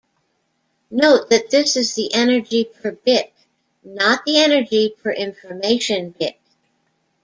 Note that this is the energy per bit, not the energy per information bit.